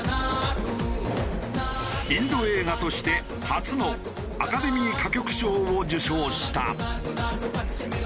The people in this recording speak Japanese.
インド映画として初のアカデミー歌曲賞を受賞した。